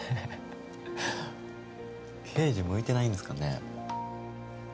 刑事向いてないんですかね